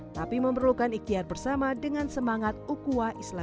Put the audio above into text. tapi memerlukan ikhtiar bersama dengan semangat ukuran dan kebijakan